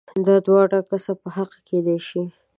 دا دواړه کسه په حقه کېدای شي؟